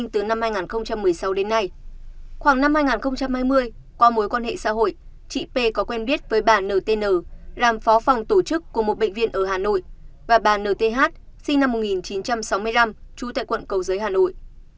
khoảng từ năm hai nghìn một mươi sáu đến nay khoảng năm hai nghìn hai mươi qua mối quan hệ xã hội chị p có quen biết với bà ntn làm phó phòng tổ chức của một bệnh viện ở hà nội và bà nth sinh năm một nghìn chín trăm sáu mươi năm trú tại quận cầu giới hà nội